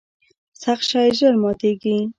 سخت شی ژر ماتیږي.